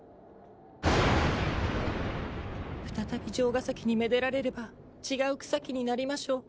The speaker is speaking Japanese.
再び城ヶ崎にめでられれば違う草木になりましょう。